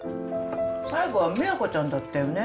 最後は美和子ちゃんだったよね